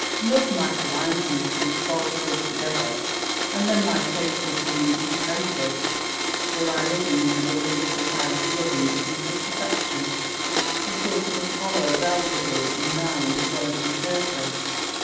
Love might blind me to his faults altogether, and then my case would be indeed hopeless, were I living in the belief that I was loving a piece of perfection a sort of Apollo Belvidere in mind as well as in person.